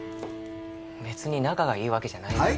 別に仲がいいわけじゃないよはい？